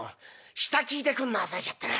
下聞いてくんの忘れちゃったな。